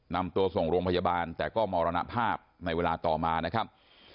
นำตัวส่งโรงพยาบาลแต่ก็มรณภาพในเวลาต่อมานะครับ